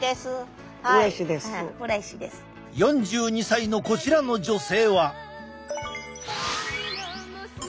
４２歳のこちらの女性は。